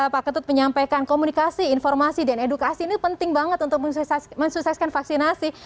pak ketut menyampaikan komunikasi informasi dan edukasi ini penting banget untuk mensukseskan vaksinasi